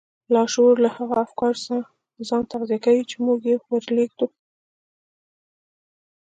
لاشعور له هغو افکارو ځان تغذيه کوي چې موږ يې ور لېږدوو.